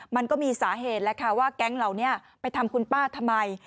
มันก็มีสาเหตุแล้วค่ะว่าแก๊งเหล่านี้ไปทำคุณป้าทำไม